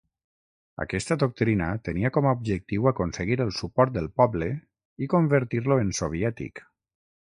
Aquesta doctrina tenia com a objectiu aconseguir el suport del poble i convertir-lo en "soviètic".